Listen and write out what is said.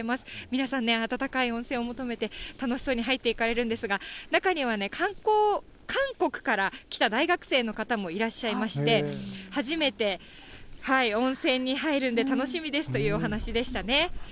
皆さん、暖かい温泉を求めて、楽しそうに入っていかれるんですが、中にはね、韓国から来た大学生の方もいらっしゃいまして、初めて温泉に入るんで楽しみですというお話でしたね。